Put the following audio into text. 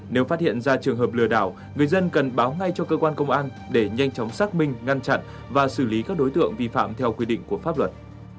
nếu phát hiện ra trường hợp lừa đảo người dân cần báo ngay cho cơ quan công an để nhanh chóng xác minh ngăn chặn và xử lý các đối tượng vi phạm theo quy định của pháp luật